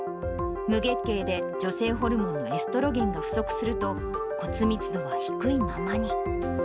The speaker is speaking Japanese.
無月経で女性ホルモンのエストロゲンが不足すると、骨密度は低いままに。